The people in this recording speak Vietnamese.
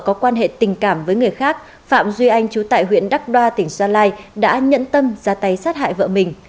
có quan hệ tình cảm với người khác phạm duy anh chú tại huyện đắc đoa tỉnh gia lai đã nhẫn tâm ra tay sát hại vợ mình